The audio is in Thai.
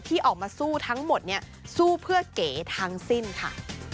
ที่ออกมาสู้ทั้งหมดเนี่ยสู้เพื่อเก๋ทั้งสิ้นค่ะ